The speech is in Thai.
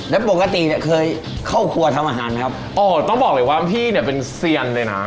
แล้วปกติเนี่ยเคยเข้าครัวทำอาหารไหมครับโอ้ต้องบอกเลยว่าพี่เนี่ยเป็นเซียนเลยนะ